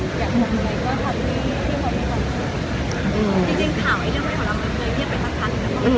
ก็อย่างงั้นไงก็ทำที่มีความสูง